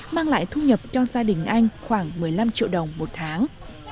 mang lại thu nhập cho gia đình anh khoảng một mươi năm triệu đồng một tháng